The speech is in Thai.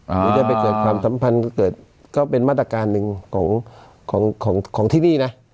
หรือจะไปเกิดความสัมพันธ์เกิดก็เป็นมาตรการหนึ่งของของที่นี่นะ